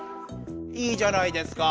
いいじゃないですか。